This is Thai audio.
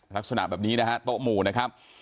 ลักษณะแบบนี้นะฮะโต๊ะหมู่นะครับ